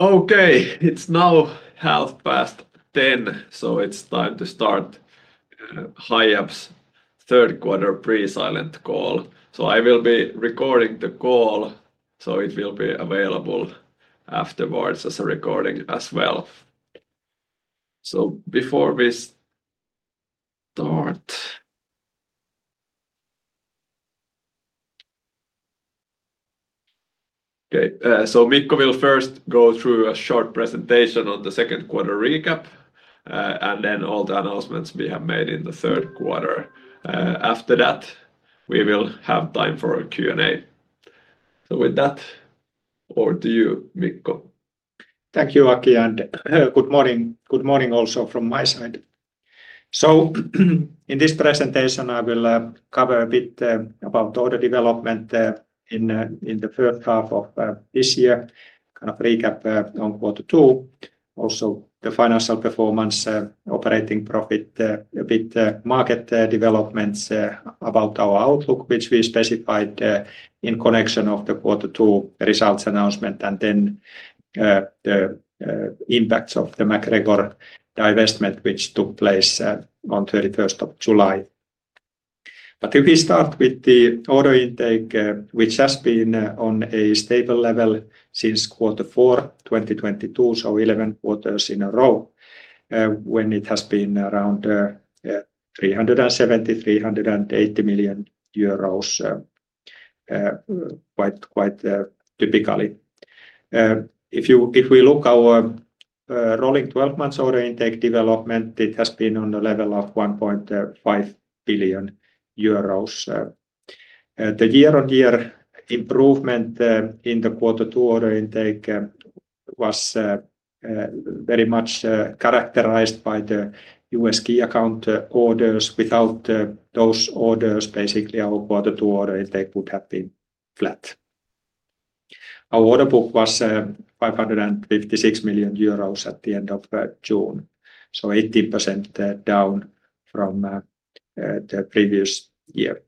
Okay, it's now 10:30 A.M., so it's time to start Hiab's Third Quarter Pre-Silent Call. I will be recording the call, so it will be available afterwards as a recording as well. Before we start, Mikko will first go through a short presentation on the second quarter recap, and then all the announcements we have made in the third quarter. After that, we will have time for a Q&A. With that, over to you, Mikko. Thank you, Aki, and good morning. Good morning also from my side. In this presentation, I will cover a bit about all the development in the first half of this year, kind of recap on quarter two, also the financial performance, operating profit, a bit market developments about our outlook, which we specified in connection of the quarter two results announcement, and then the impacts of the MacGregor divestment, which took place on 31st ofJuly. If we start with the order intake, which has been on a stable level since quarter four, 2022, 11 quarters in a row, when it has been around 370-380 million euros, quite typically. If we look at our rolling 12-month order intake development, it has been on the level of 1.5 billion euros. The year-on-year improvement in the quarter two order intake was very much characterized by the U.S. key account orders. Without those orders, basically, our quarter two order intake would have been flat. Our order book was 556 million euros at the end of June, 18% down from the previous year.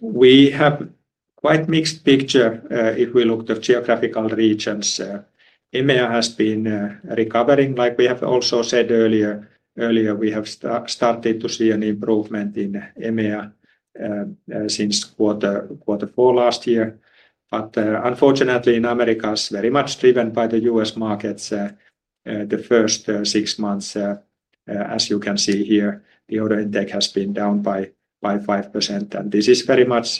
We have quite a mixed picture if we look at geographical regions. EMEA has been recovering, like we have also said earlier. Earlier, we have started to see an improvement in EMEA since quarter four last year. Unfortunately, in Americas, it's very much driven by the U.S. markets. The first six months, as you can see here, the order intake has been down by 5%. This is very much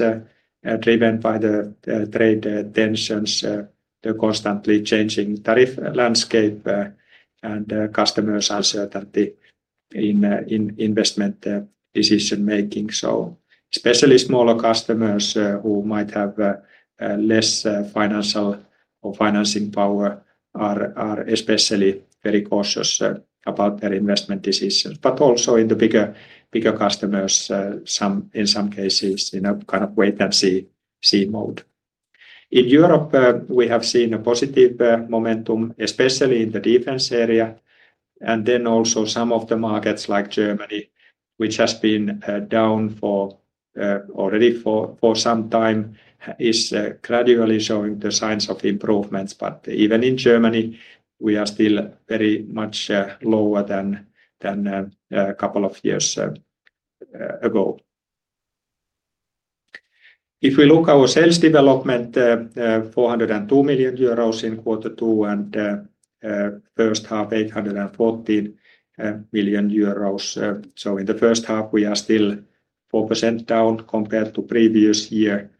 driven by the trade tensions, the constantly changing tariff landscape, and customers' uncertainty in investment decision-making. Especially smaller customers who might have less financial or financing power are especially very cautious about their investment decisions. Also in the bigger customers, in some cases, in a kind of wait-and-see mode. In Europe, we have seen a positive momentum, especially in the defense area. Also some of the markets like Germany, which has been down for already for some time, is gradually showing the signs of improvements. Even in Germany, we are still very much lower than a couple of years ago. If we look at our sales development, €402 million in quarter two and first half, 840 million euros. In the first half, we are still 4% down compared to previous year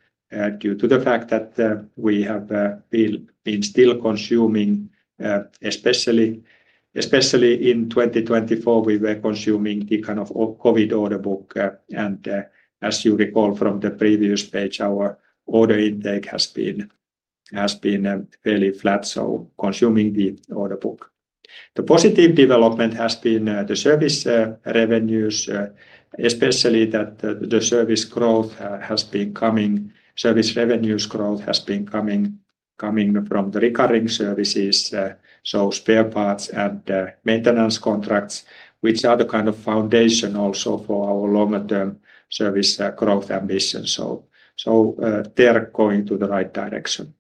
due to the fact that we have been still consuming, especially in 2024, we were consuming the kind of COVID order book. As you recall from the previous page, our order intake has been fairly flat, so consuming the order book. The positive development has been the service revenues, especially that the service growth has been coming, service revenues growth has been coming from the recurring services, so spare parts and maintenance contracts, which are the kind of foundation also for our longer-term service growth ambitions. They're going to the right direction.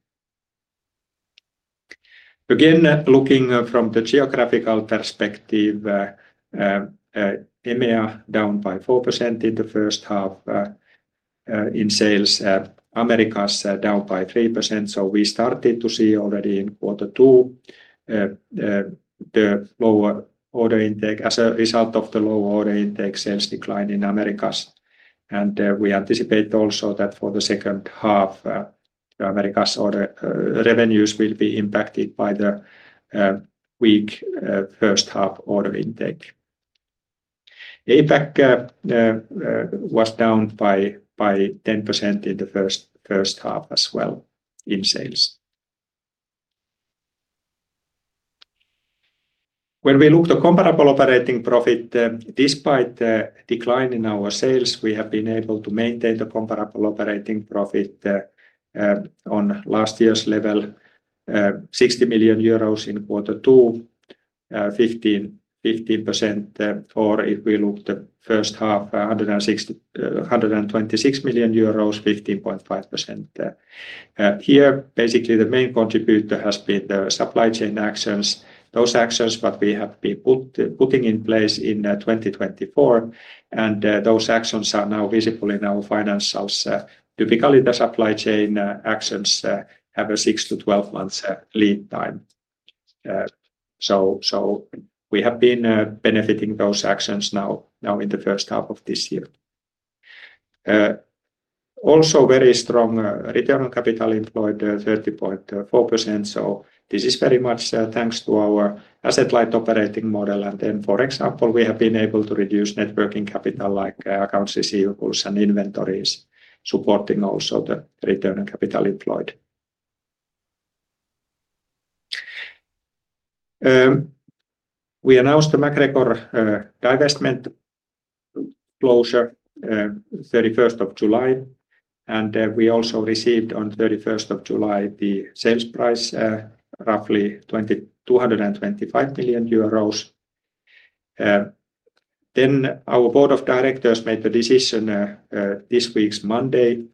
Again, looking from the geographical perspective, EMEA down by 4% in the first half in sales, Americas down by 3%. We started to see already in quarter two the lower order intake as a result of the lower order intake sales decline in Americas. We anticipate also that for the second half, Americas order revenues will be impacted by the weak first half order intake. APAC was down by 10% in the first half as well in sales. When we look at the comparable operating profit, despite the decline in our sales, we have been able to maintain the comparable operating profit on last year's level, 60 million euros in quarter two, 15%. If we look at the first half, EUR 126 million, 15.5%. Here, basically, the main contributor has been the supply chain actions, those actions that we have been putting in place in 2024. Those actions are now visible in our finance house. Typically, the supply chain actions have a six to 12 months lead time. We have been benefiting those actions now in the first half of this year. Also, very strong return on capital employed, 30.4%. This is very much thanks to our asset-light operating model. For example, we have been able to reduce networking capital like accounts receivables and inventories, supporting also the return on capital employed. We announced the MacGregor divestment closure on the 31st of July. We also received on the 31st of July the sales price, roughly EUR 225 million. Our Board of Directors made the decision this week's Monday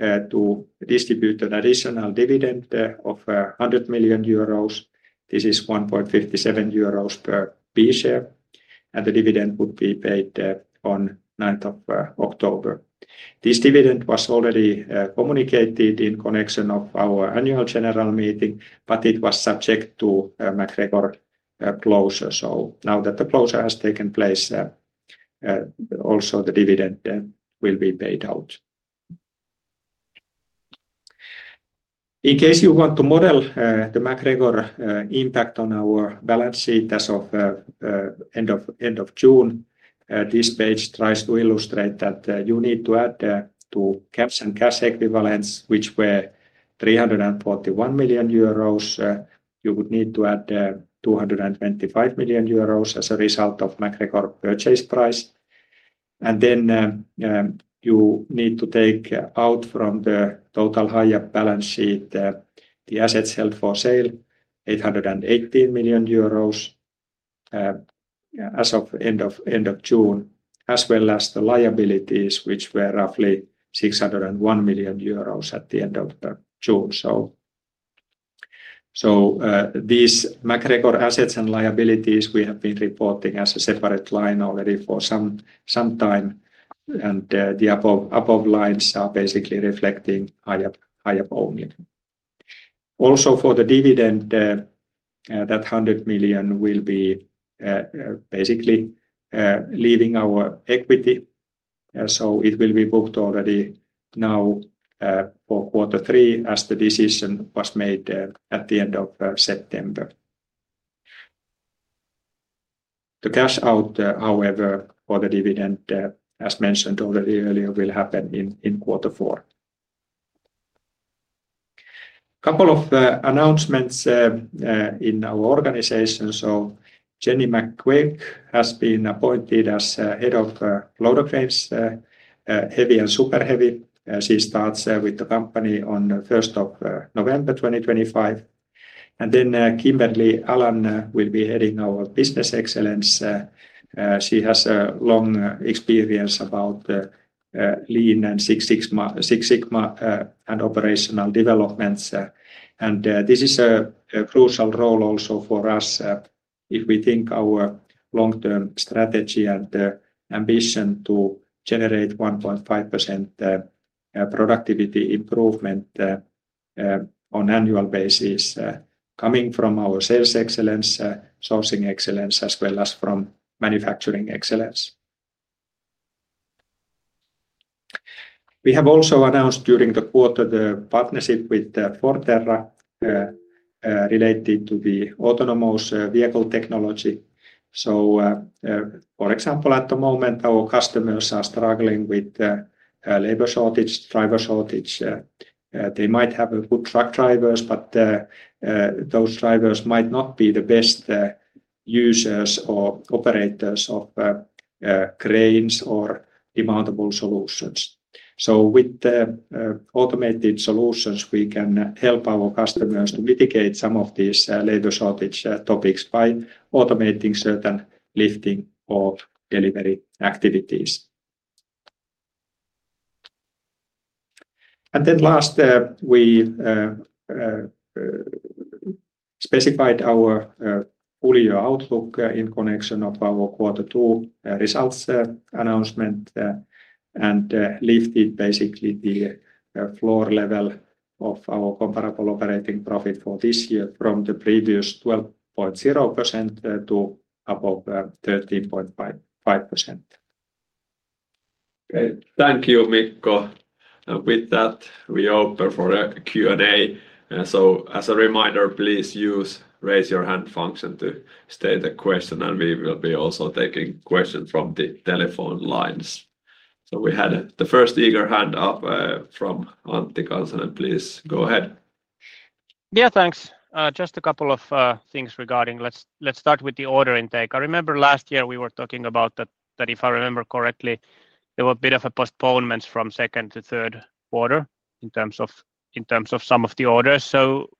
to distribute an additional dividend of 100 million euros. This is 1.57 euros per B-share. The dividend would be paid on the 9th of October. This dividend was already communicated in connection of our Annual General Meeting, but it was subject to MacGregor closure. Now that the closure has taken place, also the dividend will be paid out. In case you want to model the MacGregor impact on our balance sheet as of the end of June, this page tries to illustrate that you need to add to cash and cash equivalents, which were 341 million euros. You would need to add 225 million euros as a result of MacGregor purchase price. You need to take out from the total higher balance sheet the assets held for sale, 818 million euros as of the end of June, as well as the liabilities, which were roughly 601 million euros at the end of June. These MacGregor assets and liabilities have been reported as a separate line already for some time. The above lines are basically reflecting Hiab only. Also, for the dividend, that 100 million will be leaving our equity. It will be booked already now for quarter three as the decision was made at the end of September. The cash out, however, for the dividend, as mentioned already earlier, will happen in quarter four. A couple of announcements in our organization. Jenny McGeough, has been appointed as Head of Golfab's Heavy and Super Heavy. She starts with the company on November 1, 2025. Kimberly Allan will be heading our Business Excellence. She has a long experience with lean and Six Sigma and operational developments. This is a crucial role also for us if we think about our long-term strategy and ambition to generate 1.5% productivity improvement on an annual basis, coming from our Sales Excellence, Sourcing Excellence, as well as from Manufacturing Excellence. We have also announced during the quarter the partnership with Forterra related to the autonomous vehicle technology. For example, at the moment, our customers are struggling with labor shortage, driver shortage. They might have a good truck driver, but those drivers might not be the best users or operators of cranes or demountable solutions. With the automated solutions, we can help our customers to mitigate some of these labor shortage topics by automating certain lifting or delivery activities. Last, we specified our earlier outlook in connection with our quarter two results announcement and lifted the floor level of our comparable operating profit for this year from the previous 12.0% to above 13.5%. Thank you, Mikko. With that, we open for a Q&A. As a reminder, please use the raise your hand function to state a question, and we will also be taking questions from the telephone lines. We had the first eager hand up from [Antti Karsinen]. Please go ahead. Yeah, thanks. Just a couple of things regarding, let's start with the order intake. I remember last year we were talking about that, if I remember correctly, there was a bit of a postponement from second to third quarter in terms of some of the orders.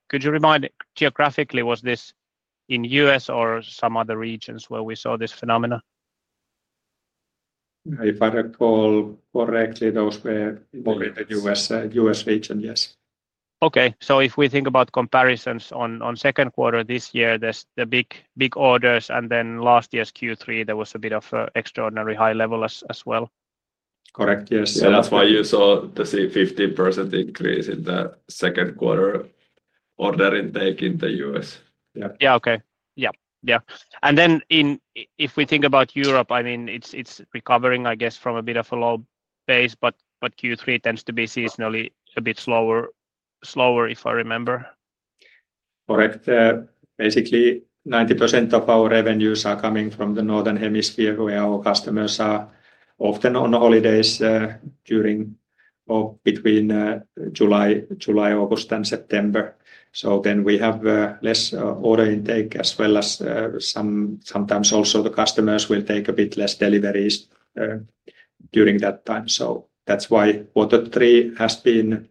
Could you remind geographically, was this in the U.S. or some other regions where we saw this phenomenon? If I recall correctly, those were in the U.S. region, yes. Okay, if we think about comparisons on second quarter this year, there's the big orders, and then last year's Q3, there was a bit of extraordinary high level as well. Correct, yes. Yeah. That's why you saw the 50% increase in the second quarter order intake in the U.S. Yeah, okay. If we think about Europe, I mean, it's recovering, I guess, from a bit of a low base, but Q3 tends to be seasonally a bit slower, if I remember. Correct. Basically, 90% of our revenues are coming from the northern hemisphere, where our customers are often on holidays during or between July, August, and September. We have less order intake, as well as sometimes also the customers will take a bit less deliveries during that time. That's why quarter three has been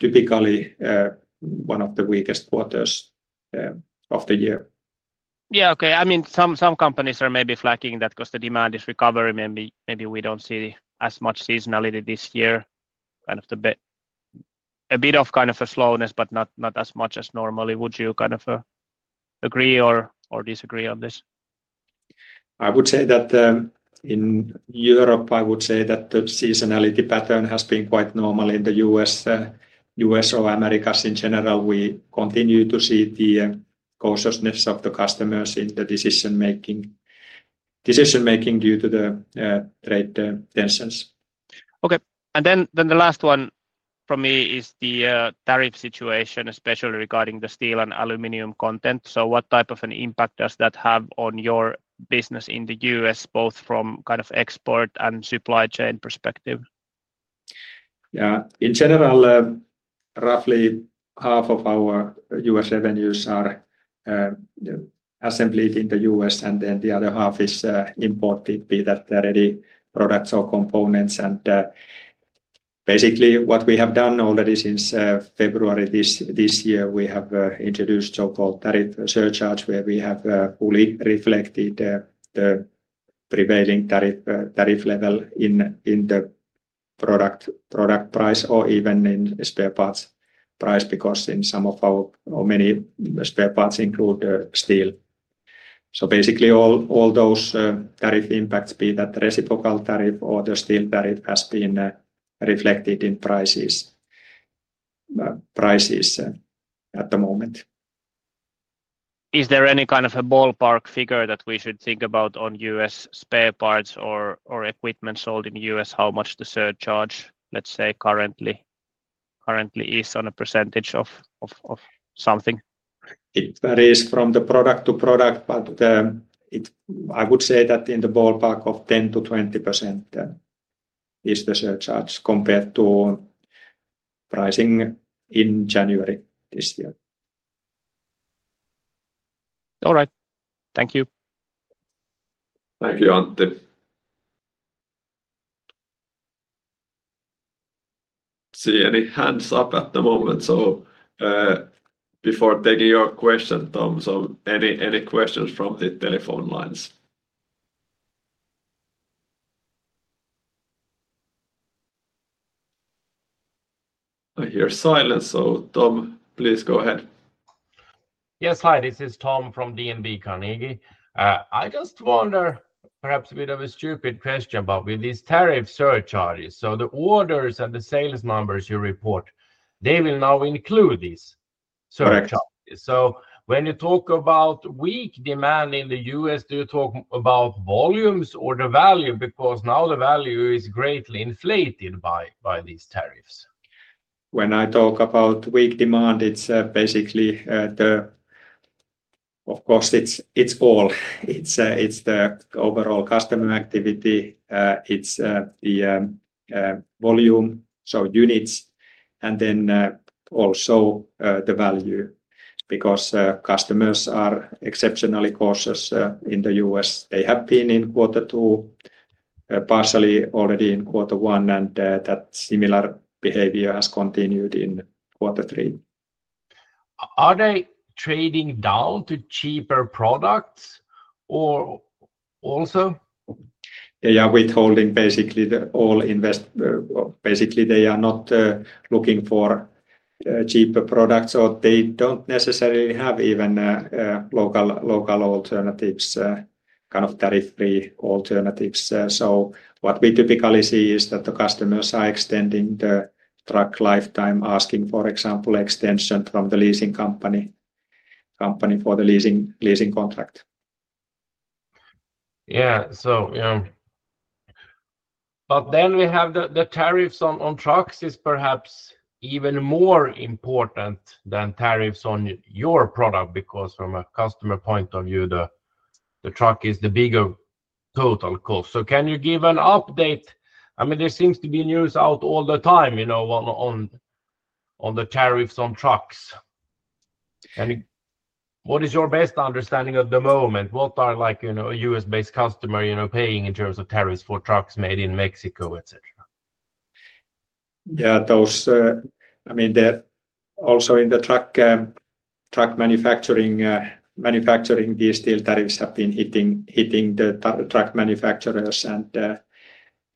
typically one of the weakest quarters of the year. Yeah, okay. I mean, some companies are maybe flagging that because the demand is recovering, maybe we don't see as much seasonality this year. Kind of a bit of slowness, but not as much as normally. Would you kind of agree or disagree on this? I would say that in Europe, the seasonality pattern has been quite normal. In the U.S. or Americas in general, we continue to see the cautiousness of the customers in the decision-making due to the trade tensions. Okay. The last one for me is the tariff situation, especially regarding the steel and aluminum content. What type of an impact does that have on your business in the U.S., both from kind of export and supply chain perspective? In general, roughly half of our U.S. revenues are assembled in the U.S., and the other half is imported, be that they're already products or components. Basically, what we have done already since February this year, we have introduced a so-called tariff surcharge, where we have fully reflected the prevailing tariff level in the product price or even in spare parts price, because in some of our or many spare parts include steel. All those tariff impacts, be that the reciprocal tariff or the steel tariff, have been reflected in prices at the moment. Is there any kind of a ballpark figure that we should think about on U.S. spare parts or equipment sold in the U.S., how much the surcharge, let's say, currently is on a percentage of something? It varies from product to product, but I would say that in the ballpark of 10%-20% is the surcharge compared to pricing in January this year. All right. Thank you. Thank you, [Antt]i. I don't see any hands up at the moment. Before taking your question, Tom, are there any questions from the telephone lines? I hear silence. Tom, please go ahead. Yes, hi, this is Tom from DNB Carnegie. I just wonder, perhaps a bit of a stupid question, but with these tariff surcharges, the orders and the sales numbers you report, they will now include these surcharges. When you talk about weak demand in the U.S., do you talk about volumes or the value? Because now the value is greatly inflated by these tariffs. When I talk about weak demand, it's basically, of course, it's all. It's the overall customer activity, the volume, so units, and then also the value, because customers are exceptionally cautious in the U.S. They have been in quarter two, partially already in quarter one, and that similar behavior has continued in quarter three. Are they trading down to cheaper products also? They are withholding basically all investment. They are not looking for cheaper products, or they don't necessarily have even local alternatives, kind of tariff-free alternatives. What we typically see is that the customers are extending the truck lifetime, asking, for example, extensions from the leasing company for the leasing contract. Yeah, but then we have the tariffs on trucks. It's perhaps even more important than tariffs on your product, because from a customer point of view, the truck is the bigger total cost. Can you give an update? There seems to be news out all the time on the tariffs on trucks. What is your best understanding at the moment? What are a U.S.-based customer paying in terms of tariffs for trucks made in Mexico, etc.? Yeah, those, I mean, also in the truck manufacturing, these steel tariffs have been hitting the truck manufacturers,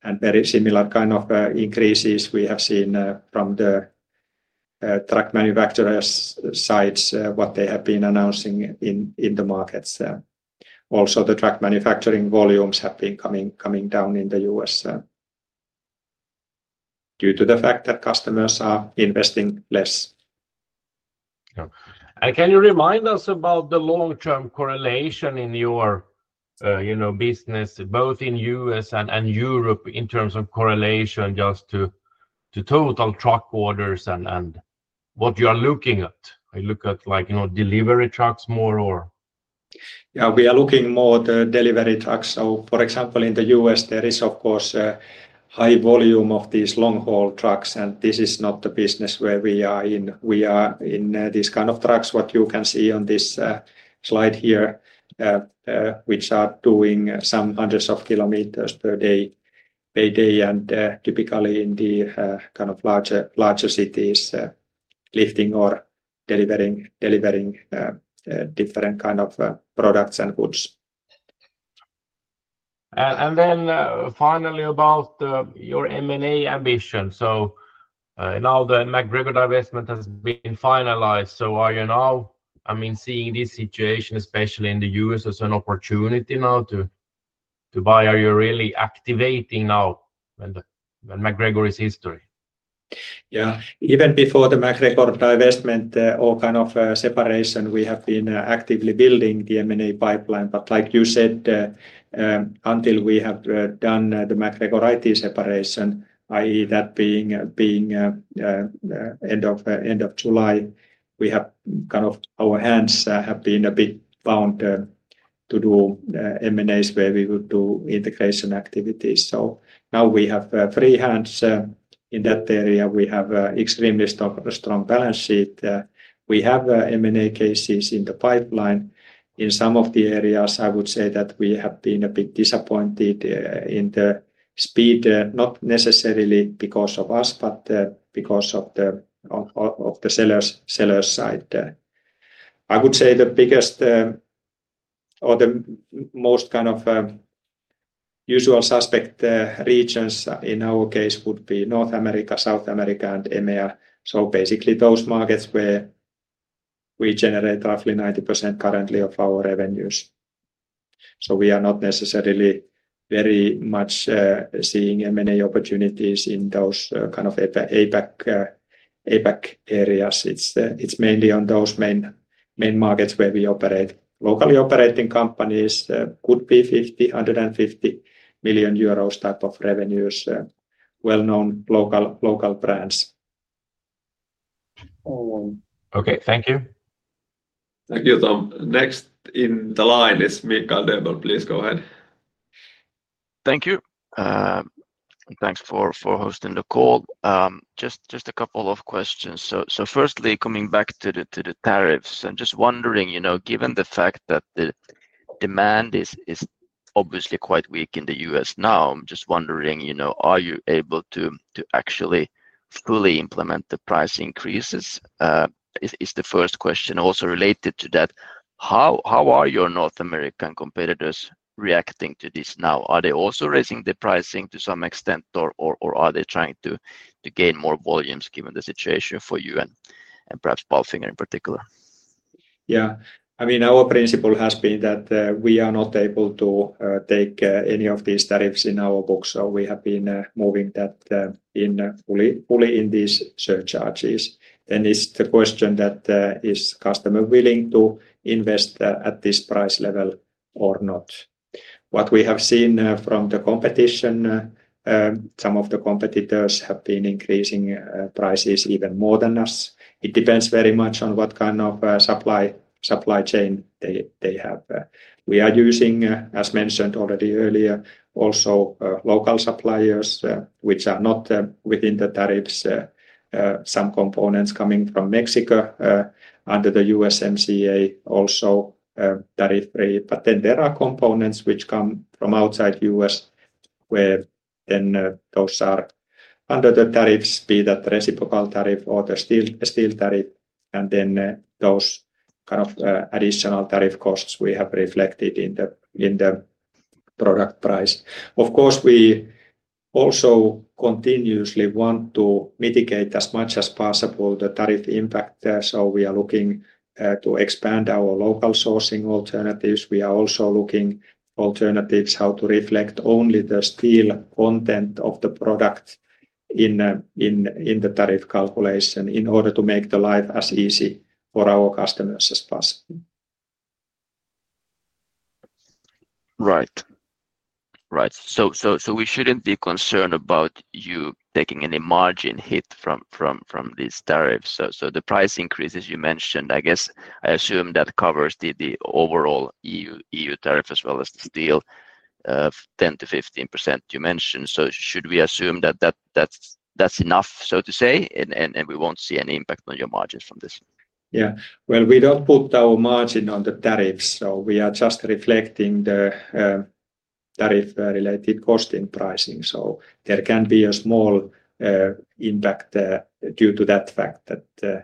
and very similar kind of increases we have seen from the truck manufacturers' sides, what they have been announcing in the markets. Also, the truck manufacturing volumes have been coming down in the U.S. due to the fact that customers are investing less. Can you remind us about the long-term correlation in your business, both in the U.S. and Europe, in terms of correlation just to total truck orders and what you are looking at? Are you looking at delivery trucks more or? Yeah, we are looking more at the delivery trucks. For example, in the U.S., there is, of course, a high volume of these long-haul trucks, and this is not the business where we are in. We are in these kind of trucks, what you can see on this slide here, which are doing some hundreds of kilometers per day, and typically in the kind of larger cities, lifting or delivering different kinds of products and goods. Finally, about your M&A ambition. Now the MacGregor divestment has been finalized. Are you now, seeing this situation, especially in the US, as an opportunity to buy? Are you really activating now when MacGregor is history? Yeah, even before the MacGregor divestment or kind of separation, we have been actively building the M&A pipeline. Like you said, until we have done the MacGregor IT separation, i.e., that being end of July, our hands have been a bit bound to do M&As where we would do integration activities. Now we have free hands in that area. We have extremely strong balance sheet. We have M&A cases in the pipeline. In some of the areas, I would say that we have been a bit disappointed in the speed, not necessarily because of us, but because of the seller's side. I would say the biggest or the most kind of usual suspect regions in our case would be North America, South America, and EMEA. Basically, those markets where we generate roughly 90% currently of our revenues. We are not necessarily very much seeing M&A opportunities in those kind of APAC areas. It's mainly on those main markets where we operate. Locally operating companies could be 50 million euros, 150 million euros type of revenues, well-known local brands. Okay, thank you. Thank you, Tom. Next in the line is [Mikko]. Please go ahead. Thank you. Thanks for hosting the call. Just a couple of questions. Firstly, coming back to the tariffs, I'm just wondering, given the fact that the demand is obviously quite weak in the U.S. now, are you able to actually fully implement the price increases? Is the first question also related to that? How are your North American competitors reacting to this now? Are they also raising the pricing to some extent, or are they trying to gain more volumes given the situation for you and perhaps Palfinger in particular? Yeah, I mean, our principle has been that we are not able to take any of these tariffs in our books. We have been moving that in fully in these surcharges. It's the question that is customer willing to invest at this price level or not. What we have seen from the competition, some of the competitors have been increasing prices even more than us. It depends very much on what kind of supply chain they have. We are using, as mentioned already earlier, also local suppliers, which are not within the tariffs. Some components coming from Mexico under the USMCA, also tariff-free. There are components which come from outside the U.S., where then those are under the tariffs, be that reciprocal tariff or the steel tariff. Those kind of additional tariff costs we have reflected in the product price. Of course, we also continuously want to mitigate as much as possible the tariff impact. We are looking to expand our local sourcing alternatives. We are also looking at alternatives how to reflect only the steel content of the products in the tariff calculation in order to make the life as easy for our customers as possible. Right. Right. We shouldn't be concerned about you taking any margin hit from these tariffs. The price increases you mentioned, I guess, I assume that covers the overall EU tariff as well as the steel, 10%-15% you mentioned. Should we assume that that's enough, so to say, and we won't see any impact on your margin from this? Yeah. We don't put our margin on the tariffs. We are just reflecting the tariff-related cost in pricing. There can be a small impact due to the fact that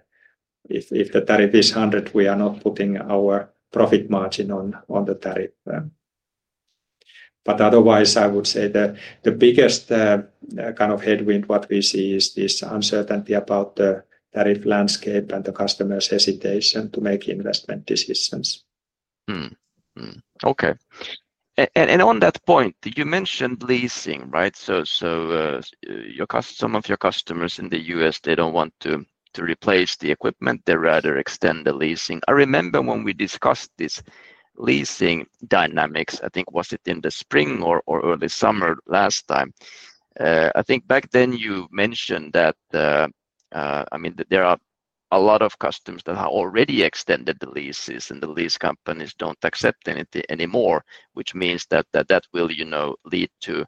if the tariff is 100, we are not putting our profit margin on the tariff. Otherwise, I would say that the biggest kind of headwind we see is this uncertainty about the tariff landscape and the customer's hesitation to make investment decisions. Okay. On that point, you mentioned leasing, right? Some of your customers in the U.S., they don't want to replace the equipment. They rather extend the leasing. I remember when we discussed this leasing dynamics, I think was it in the spring or early summer last time? I think back then you mentioned that, I mean, there are a lot of customers that have already extended the leases, and the lease companies don't accept anything anymore, which means that that will, you know, lead to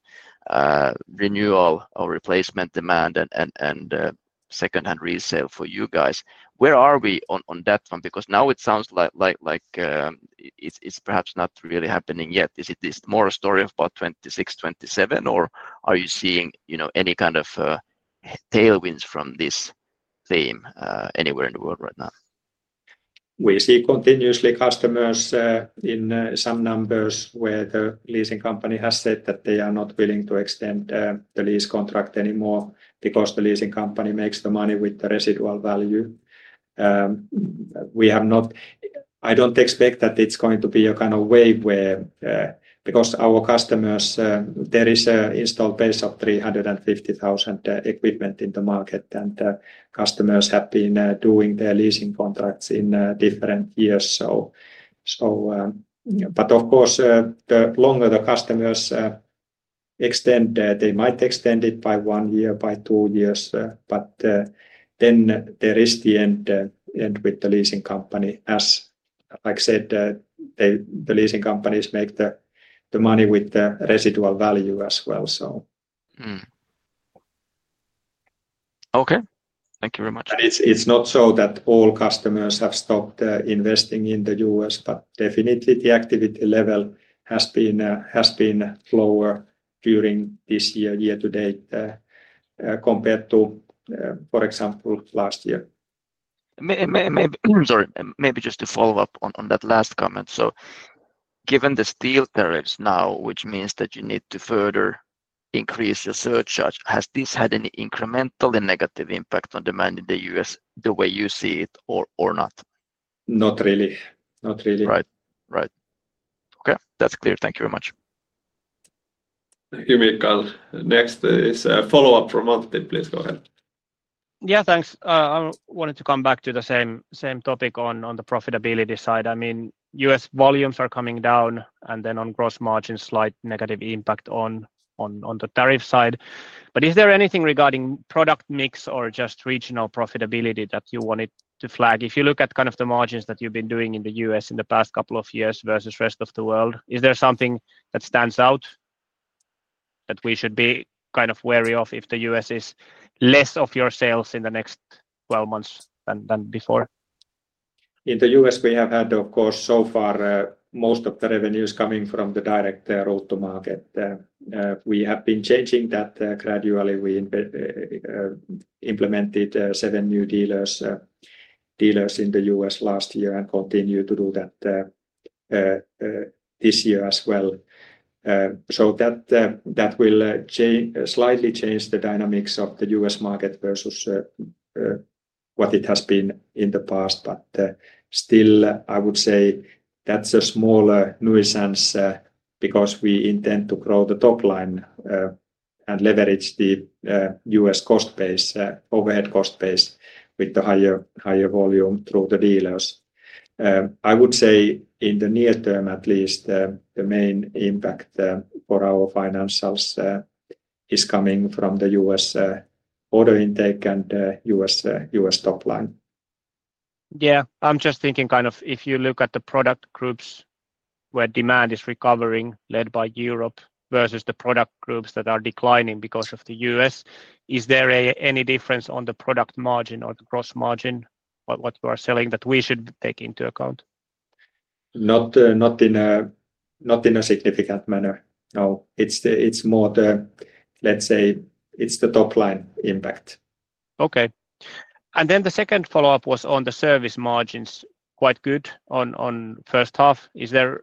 renewal or replacement demand and second-hand resale for you guys. Where are we on that one? Because now it sounds like it's perhaps not really happening yet. Is it more a story of about 2026, 2027, or are you seeing, you know, any kind of tailwinds from this theme anywhere in the world right now? We see continuously customers in some numbers where the leasing company has said that they are not willing to extend the lease contract anymore because the leasing company makes the money with the residual value. I don't expect that it's going to be a kind of wave because our customers, there is an installed base of 350,000 equipment in the market, and customers have been doing their leasing contracts in different years. Of course, the longer the customers extend, they might extend it by one year, by two years, but then there is the end with the leasing company, as, like I said, the leasing companies make the money with the residual value as well. Okay, thank you very much. It is not so that all customers have stopped investing in the U.S., but definitely the activity level has been lower during this year, year to date, compared to, for example, last year. Maybe just to follow up on that last comment. Given the steel tariffs now, which means that you need to further increase your surcharge, has this had any incrementally negative impact on demand in the US the way you see it or not? Not really. Not really. Right. Okay. That's clear. Thank you very much. Thank you, Mikko. Next is a follow-up from [Antti]. Please go ahead. Yeah, thanks. I wanted to come back to the same topic on the profitability side. I mean, U.S. volumes are coming down, and then on gross margins, slight negative impact on the tariff side. Is there anything regarding product mix or just regional profitability that you wanted to flag? If you look at kind of the margins that you've been doing in the U.S. in the past couple of years versus the rest of the world, is there something that stands out that we should be kind of wary of if the U.S. is less of your sales in the next 12 months than before? In the U.S., we have had, of course, so far, most of the revenues coming from the direct route to market. We have been changing that gradually. We implemented seven new dealers in the U.S. last year and continue to do that this year as well. That will slightly change the dynamics of the U.S. market versus what it has been in the past. I would say that's a smaller nuisance because we intend to grow the top line and leverage the U.S. cost base, overhead cost base, with the higher volume through the dealers. I would say in the near term, at least, the main impact for our financials is coming from the U.S. order intake and the U.S. top line. I'm just thinking, if you look at the product groups where demand is recovering, led by Europe, versus the product groups that are declining because of the U.S., is there any difference on the product margin or the gross margin, what you are selling, that we should take into account? Not in a significant manner. No, it's more the, let's say, it's the top line impact. Okay. The second follow-up was on the service margins, quite good on the first half. Is there,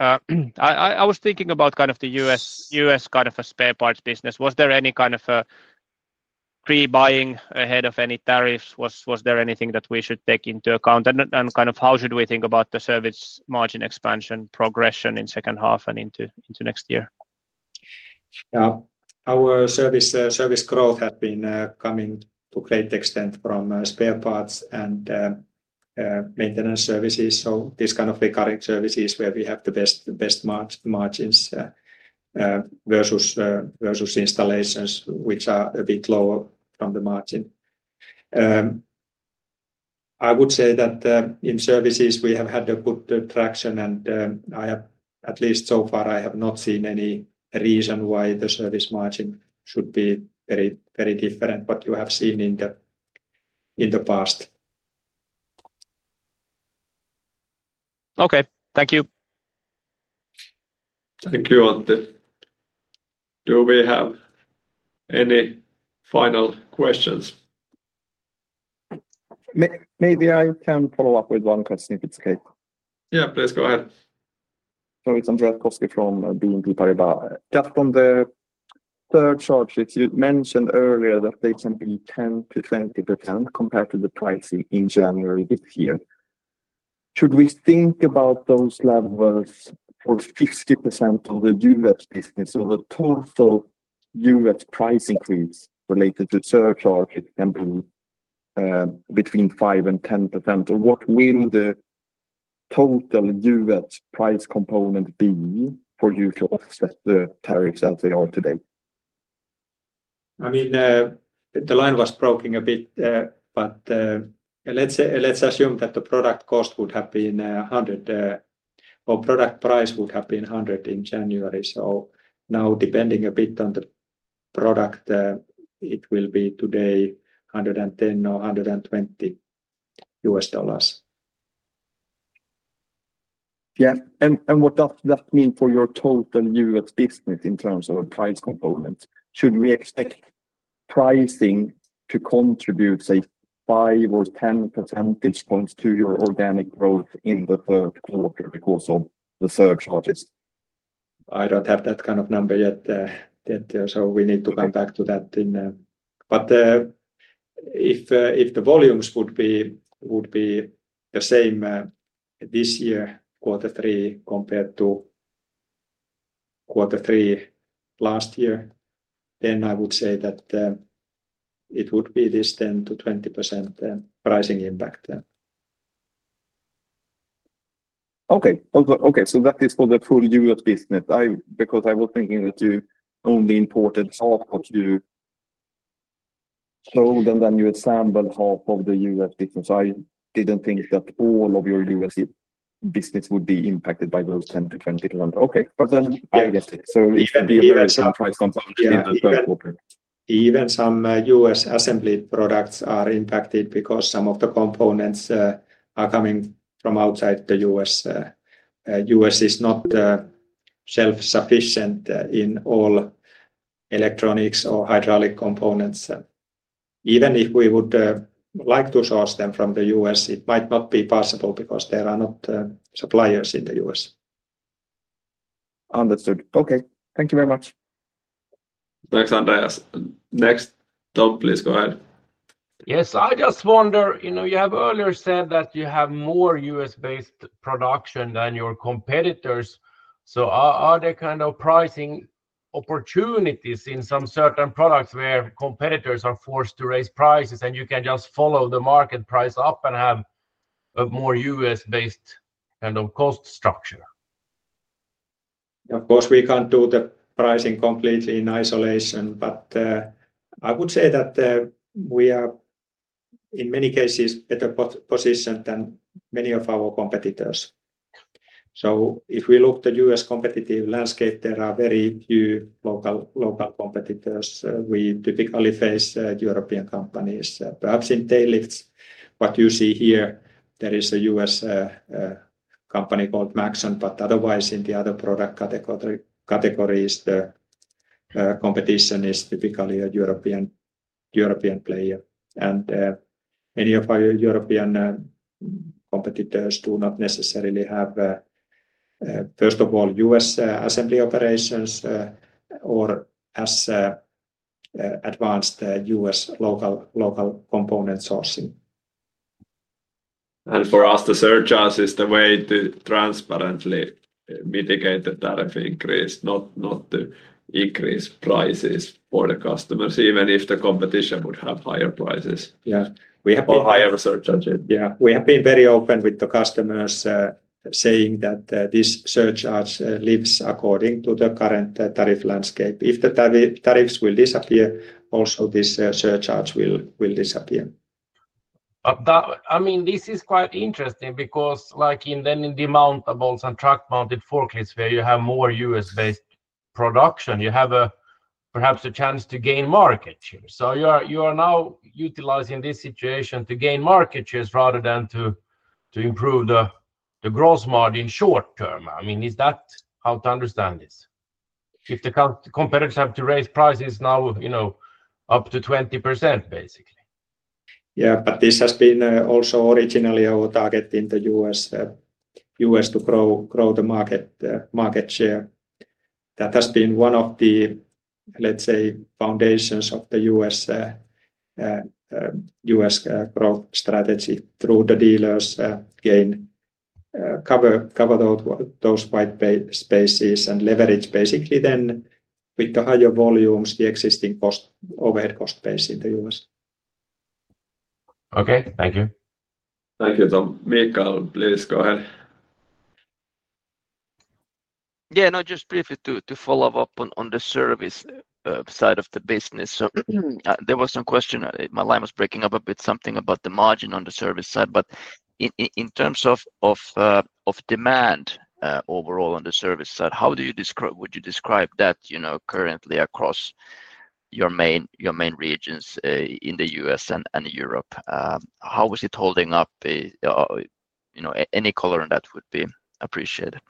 I was thinking about kind of the U.S. kind of a spare parts business. Was there any kind of a pre-buying ahead of any tariffs? Was there anything that we should take into account? How should we think about the service margin expansion progression in the second half and into next year? Yeah, our service growth had been coming to a great extent from spare parts and maintenance services. These kind of recurring services have the best margins versus installations, which are a bit lower from the margin. I would say that in services, we have had good traction, and at least so far, I have not seen any reason why the service margin should be very, very different from what you have seen in the past. Okay, thank you. Thank you, [Antti]. Do we have any final questions? Maybe I can follow up with one question if it's okay. Yeah, please go ahead. It's Andreas Koski from BNP Paribas. Just on the surcharges, you mentioned earlier that they can be 10%- 20% compared to the pricing in January this year. Should we think about those levels or 50% of the U.S. business or the total U.S. price increase related to surcharge between 5%-10%? What will the total U.S. price component be for you to offset the tariffs as they are today? The line was broken a bit, but let's assume that the product cost would have been $100 or product price would have been $100 in January. Now, depending a bit on the product, it will be today $110 or $120. Yeah. What does that mean for your total U.S. business in terms of a price component? Should we expect pricing to contribute, say, 5% or 10% points to your organic growth in the third quarter because of the surcharges? I don't have that kind of number yet. We need to come back to that. If the volumes would be the same this year, quarter three, compared to quarter three last year, then I would say that it would be this 10%-20% pricing impact then. Okay. That is for the full U.S. business. I was thinking that you only imported half of your sold and then you assembled half of the U.S. business. I didn't think that all of your U.S. business would be impacted by those 10%-20%. Okay. I guess it would be a very subtle component in the third quarter. Even some U.S. assembly products are impacted because some of the components are coming from outside the U.S. The U.S. is not self-sufficient in all electronics or hydraulic components. Even if we would like to source them from the U.S., it might not be possible because there are not suppliers in the U.S. Understood. Thank you very much. Thanks, Andreas. Next, Tom, please go ahead. Yes, I just wonder, you know, you have earlier said that you have more U.S.-based production than your competitors. Are there kind of pricing opportunities in some certain products where competitors are forced to raise prices and you can just follow the market price up and have a more U.S.-based kind of cost structure? Of course, we can't do the pricing completely in isolation, but I would say that we are, in many cases, better positioned than many of our competitors. If we look at the U.S. competitive landscape, there are very few local competitors. We typically face European companies, perhaps in tail lifts. What you see here, there is a U.S. company called Maxon, but otherwise, in the other product categories, the competition is typically a European player. Any of our European competitors do not necessarily have, first of all, U.S. assembly operations or as advanced U.S. local component sourcing. The surcharge is the way to transparently mitigate the tariff increase, not to increase prices for the customers, even if the competition would have higher prices. Yeah, we have been very open with the customers, saying that this surcharge lives according to the current tariff landscape. If the tariffs will disappear, also this surcharge will disappear. This is quite interesting because in the demountables and truck mounted forklifts where you have more U.S.-based production, you have perhaps a chance to gain market share. You are now utilizing this situation to gain market shares rather than to improve the gross margin short term. Is that how to understand this? If the competitors have to raise prices now, you know, up to 20%, basically. This has been also originally our target in the U.S. to grow the market share. That has been one of the, let's say, foundations of the U.S. growth strategy through the dealers to cover those white spaces and leverage basically then with the higher volumes, the existing overhead cost base in the U.S. Okay, thank you. Thank you, Tom. [Mikko], please go ahead. Yeah, just briefly to follow up on the service side of the business. There was some question, my line was breaking up a bit, something about the margin on the service side. In terms of demand overall on the service side, how would you describe that currently across your main regions in the U.S. and Europe? How is it holding up? Any color on that would be appreciated.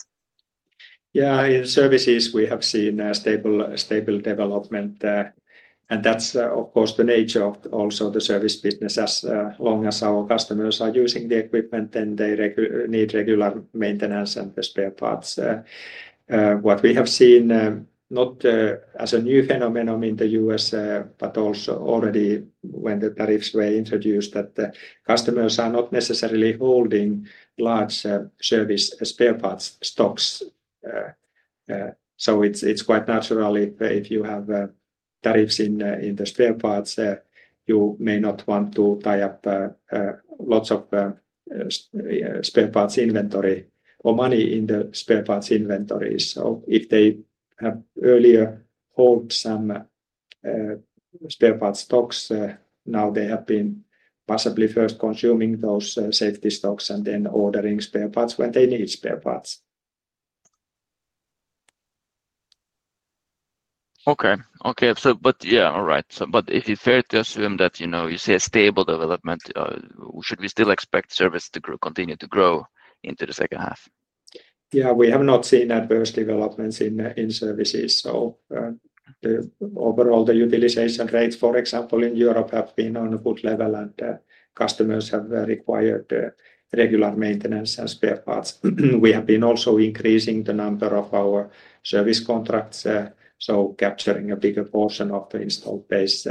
Yeah, in services, we have seen stable development. That is, of course, the nature of also the service business. As long as our customers are using the equipment, then they need regular maintenance and the spare parts. What we have seen, not as a new phenomenon in the U.S., but also already when the tariffs were introduced, is that customers are not necessarily holding large service spare parts stocks. It is quite natural if you have tariffs in the spare parts, you may not want to tie up lots of spare parts inventory or money in the spare parts inventory. If they have earlier held some spare parts stocks, now they have been possibly first consuming those safety stocks and then ordering spare parts when they need spare parts. All right. If it's fair to assume that, you know, you say a stable development, should we still expect service to continue to grow into the second half? Yeah, we have not seen adverse developments in services. Overall, the utilization rates, for example, in Europe have been on a good level, and customers have required regular maintenance and spare parts. We have been also increasing the number of our service contracts, capturing a bigger portion of the installed base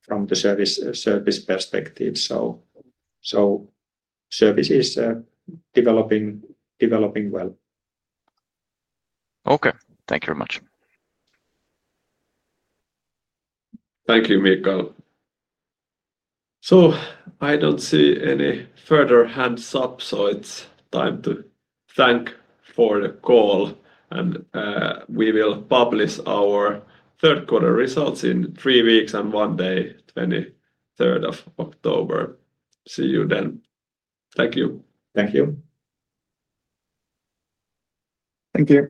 from the service perspective. Service is developing well. Okay, thank you very much. Thank you, [Mikko]. I don't see any further hands up, so it's time to thank for the call. We will publish our third quarter results in three weeks and one day, 23rd of October. See you then. Thank you. Thank you.